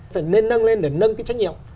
phải nên nâng lên để nâng cái trách nhiệm